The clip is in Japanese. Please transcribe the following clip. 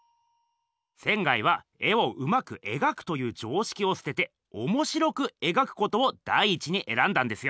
仙は絵をうまくえがくという常識をすてておもしろくえがくことを第一にえらんだんですよ。